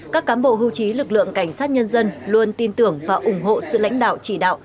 các cán bộ hưu trí lực lượng cảnh sát nhân dân luôn tin tưởng và ủng hộ sự lãnh đạo chỉ đạo